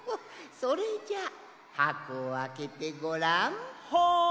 それじゃあはこをあけてごらん。